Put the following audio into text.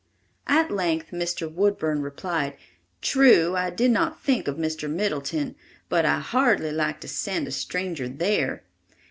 At length Mr. Woodburn replied: "True, I did not think of Mr. Middleton, but I hardly like to send a stranger there.